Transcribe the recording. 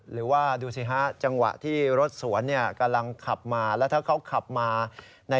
หรือว่าดูซิฮะจังหวะที่รถสวนเนี่ยกำลังขับมา